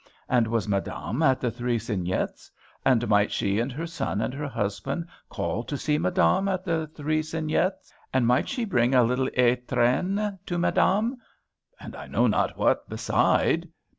And was madame at the Three Cygnets? And might she and her son and her husband call to see madame at the Three Cygnets? And might she bring a little étrenne to madame? And I know not what beside.